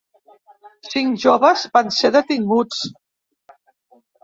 Cinc joves van ser detinguts.